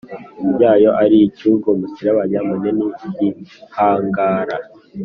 yayo ari icyugu umuserebanya munini igihangara